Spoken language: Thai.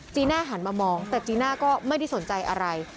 จีน่าหันมามองแต่จีน่าก็ไม่ได้สนใจอะไร